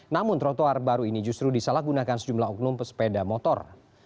namun trotoar baru ini justru disalahgunakan sejumlah oknum pesepeda motor